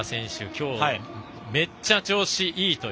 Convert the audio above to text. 今日、めっちゃ調子いいと。